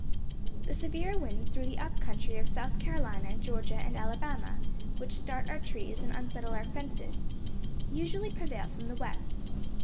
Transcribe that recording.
The severe winds through the up country of South Carolina, Georgia and Alabama, which start our trees and unsettle our fences, usually prevail from the west.